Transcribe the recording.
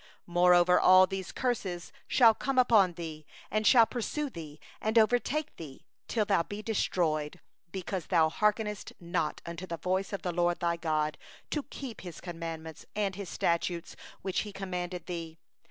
45And all these curses shall come upon thee, and shall pursue thee, and overtake thee, till thou be destroyed; because thou didst not hearken unto the voice of the LORD thy God, to keep His commandments and His statutes which He commanded thee.